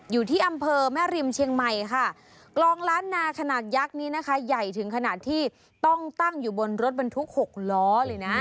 อยู่ที่อำเภอแม่ริมเชียงใหม่ค่ะกลองล้านนาขนาดยักษ์นี้นะคะใหญ่ถึงขนาดที่ต้องตั้งอยู่บนรถบรรทุกหกล้อเลยนะ